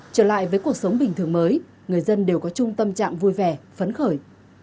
trở lại với cuộc sống bình thường mới người dân đều có trung tâm trạng vui vẻ phấn khởi